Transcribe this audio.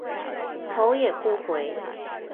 头也不回